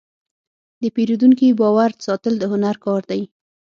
د پیرودونکي باور ساتل د هنر کار دی.